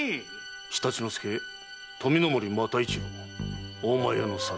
常陸介富森又一郎大前屋の三人。